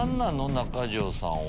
中条さんは。